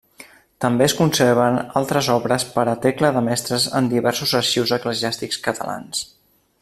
També es conserven altres obres per a tecla de Mestres en diversos arxius eclesiàstics catalans.